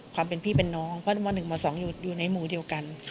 ความเป็นพี่เป็นน้องเพราะม๑ม๒อยู่ในหมู่เดียวกัน